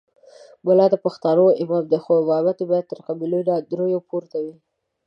ملا د پښتانه امام دی خو امامت یې باید تر قبیلوي ناندریو پورته وي.